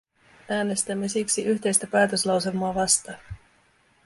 Äänestämme siksi yhteistä päätöslauselmaa vastaan.